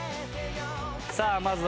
さあまずは。